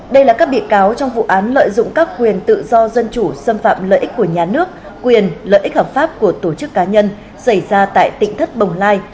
đây là các bị cáo trong vụ án lợi dụng các quyền tự do dân chủ xâm phạm lợi ích của nhà nước quyền lợi ích hợp pháp của tổ chức cá nhân xảy ra tại tỉnh thất bồng lai